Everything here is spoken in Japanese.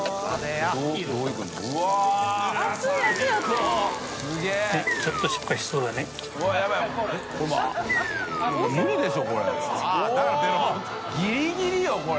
おぉギリギリよこれ。